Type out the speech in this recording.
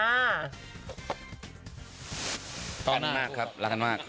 รักกันมากครับรักกันมาก